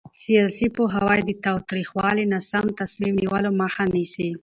سیاسي پوهاوی د تاوتریخوالي او ناسم تصمیم نیولو مخه نیسي